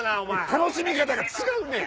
楽しみ方が違うねん！